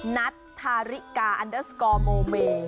นัทธาริกาอันเดอร์สกอร์โมเม